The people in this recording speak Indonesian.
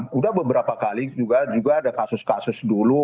sudah beberapa kali juga ada kasus kasus dulu